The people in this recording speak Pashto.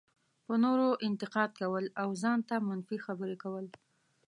په نورو انتقاد کول او ځان ته منفي خبرې کول.